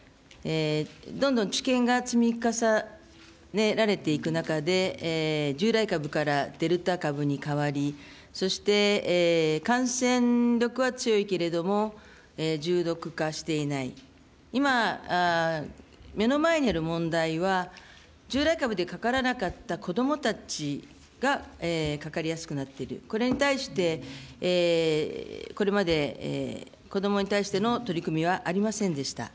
どんどん知見が積み重ねられていく中で、従来株からデルタ株に変わり、そして感染力は強いけれども、重毒化していない、今、目の前にある問題は、従来株でかからなかった子どもたちがかかりやすくなっている、これに対して、これまで、子どもに対しての取り組みはありませんでした。